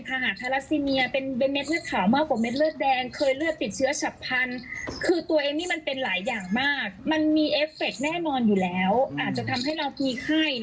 ก็นอนอยู่แล้วอาจจะทำให้เรามีไข้